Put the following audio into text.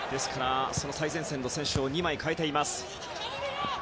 その最前線の選手を２枚、代えています。